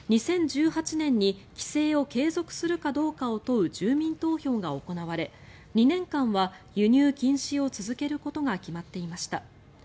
２０１８年に規制を継続するかどうかを問う住民投票が行われ２年間は輸入禁止を続けることが決まっていました。